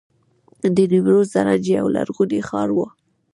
د نیمروز زرنج یو لرغونی ښار و